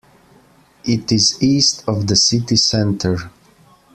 It is east of the city centre.